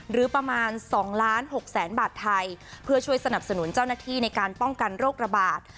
หรือประมาณ๒ล้าน๖แสนบาทไทยเพื่อช่วยสนับสนุนเจ้าหน้าที่ในการป้องกันโรคระบาด